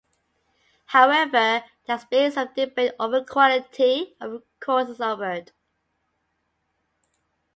However, there has been some debate over the quality of the courses offered.